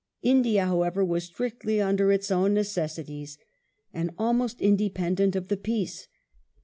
India, however, was strictly under its own necessities, and almost independent of the peace.